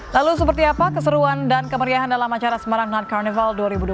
lalu seperti apa keseruan dan kemeriahan dalam acara semarang not carnival dua ribu dua puluh